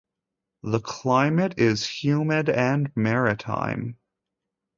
The climate is humid and maritime.